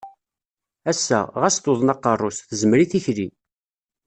Ass-a, ɣas tuḍen aqeṛṛu-s, tezmer i tikli.